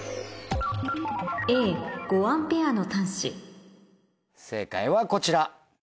「Ａ５アンペアの端子」正解はこちら。